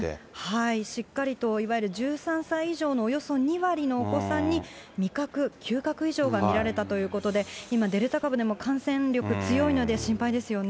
しっかりといわゆる１３歳以上のおよそ２割のお子さんに、味覚、嗅覚異常が見られたということで、今、デルタ株でも感染力強いので、心配ですよね。